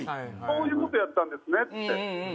そういうことやったんですねって。